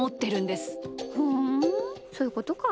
ふんそういうことか。